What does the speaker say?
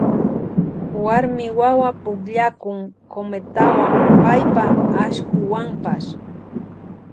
Warmi wawa pukllakun cometawan paypa ashkuwanpash.